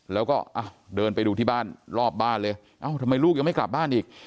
แล้วก็เดินไปดูที่บ้านรอบบ้านเลยเอ้าทำไมลูกยังไม่กลับบ้านอีก